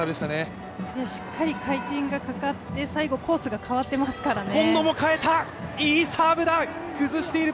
しっかり回転がかかって最後、コースが変わっていますからね。